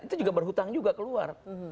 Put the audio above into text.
itu juga berhutang juga ke luar